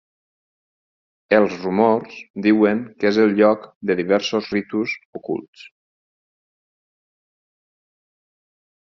Els rumors diuen que és el lloc de diversos ritus ocults.